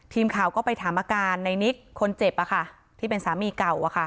ทีมข่าวก็ไปถามอาการในนิกคนเจ็บที่เป็นสามีเก่า